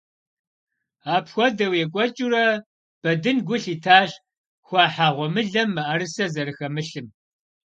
Апхуэдэу екӀуэкӀыурэ, Бэдын гу лъитащ хуахьа гъуэмылэм мыӀэрысэ зэрыхэмылъым.